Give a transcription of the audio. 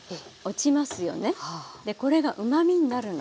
これがうまみになるの。